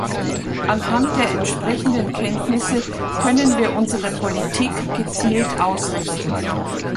Anhand der entsprechenden Kenntnisse können wir unsere Politik gezielt ausrichten.